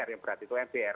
yang berat itu mbr